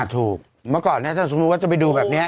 อ่ะถูกเมื่อก่อนเนี่ยถ้าสมมติว่าจะไปดูแบบเนี้ย